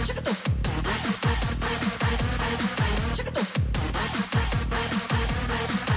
เออขอโทษค่ะขอโทษครับ